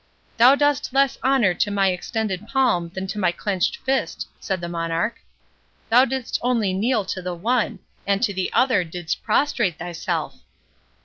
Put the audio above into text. "Thou dost less honour to my extended palm than to my clenched fist," said the Monarch; "thou didst only kneel to the one, and to the other didst prostrate thyself."